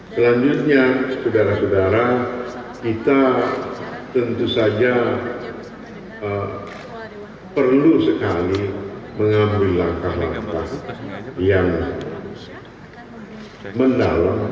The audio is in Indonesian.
selanjutnya saudara saudara kita tentu saja perlu sekali mengambil langkah langkah yang mendalam